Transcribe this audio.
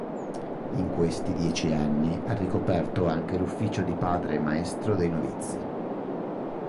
In questi dieci anni ha ricoperto anche l'ufficio di padre maestro dei novizi.